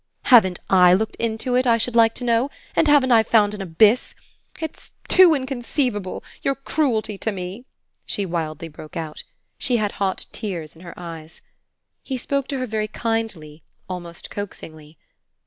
"Haven't I looked into it, I should like to know, and haven't I found an abyss? It's too inconceivable your cruelty to me!" she wildly broke out. She had hot tears in her eyes. He spoke to her very kindly, almost coaxingly.